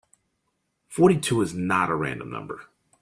Forty-two is not a random number.